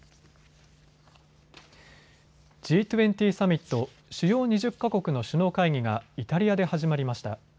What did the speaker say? Ｇ２０サミット・主要２０か国の首脳会議がイタリアで始まりました。